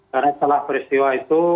karena setelah peristiwa itu